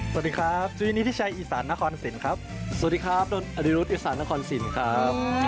สวัสดีครับช่วยยินดีที่ใช้อีสานคอนสินครับสวัสดีครับโดนอริรุตอีสานคอนสินครับ